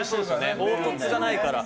凹凸がないから。